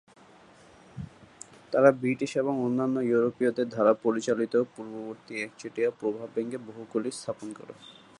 তারা ব্রিটিশ এবং অন্যান্য ইউরোপীয়দের দ্বারা পরিচালিত পূর্ববর্তী একচেটিয়া প্রভাব ভেঙে বহু কলি স্থাপন করে।